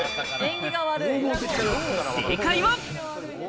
正解は。